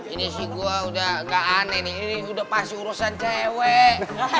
ini sih gue udah gak aneh nih ini udah pasti urusan cewek